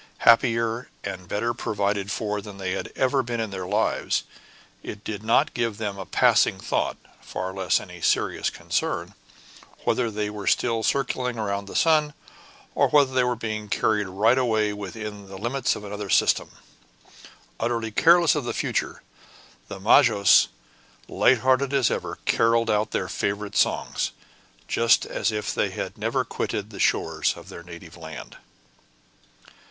Happier and better provided for than they had ever been in their lives, it did not give them a passing thought, far less cause any serious concern, whether they were still circling round the sun, or whether they were being carried right away within the limits of another system. Utterly careless of the future, the majos, light hearted as ever, carolled out their favorite songs, just as if they had never quitted the shores of their native land.